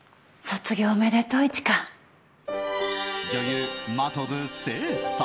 卒業おめでとう、一果。